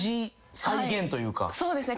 そうですね。